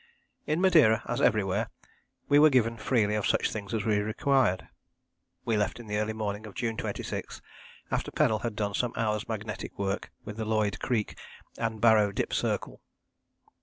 In Madeira, as everywhere, we were given freely of such things as we required. We left in the early morning of June 26, after Pennell had done some hours' magnetic work with the Lloyd Creak and Barrow Dip Circle.